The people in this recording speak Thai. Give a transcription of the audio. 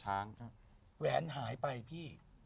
แหวนหายไปพี่